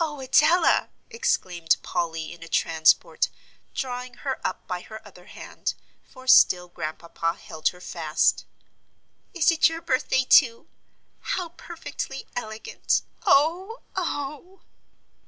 "Oh, Adela!" exclaimed Polly, in a transport, drawing her up by her other hand, for still Grandpapa held her fast. "Is it your birthday too? How perfectly elegant! oh, oh!"